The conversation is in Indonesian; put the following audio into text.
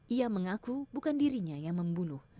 ia mengaku bukan dirinya yang membunuh